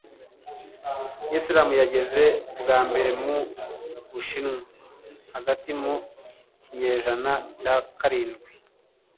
islamu yageze bwa mbere mu bushinwa hagati mu kinyejana cya karindwi